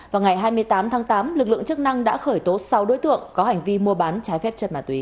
vào ngày hai mươi tám tháng tám lực lượng chức năng đã khởi tố sáu đối tượng có hành vi mua bán trái phép